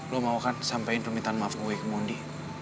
lo mau kan sampein permintaan maaf gue ke mondi